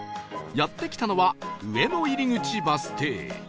やって来たのは上野入口バス停